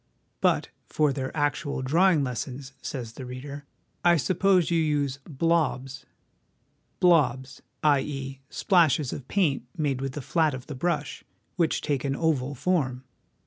But 'for their actual draw ing lessons/ says the reader, ' I suppose you use " blobs "?'' blobs,' i.e. splashes of paint made with the flat of the brush, which take an oval form.